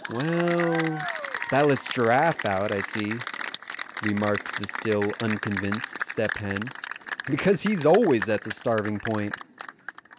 "Well, that lets Giraffe out, I see," remarked the still unconvinced Step Hen. "Because he's always at the starving point."